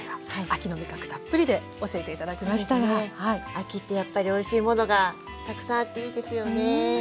秋ってやっぱりおいしいものがたくさんあっていいですよね。